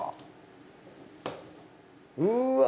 うわ！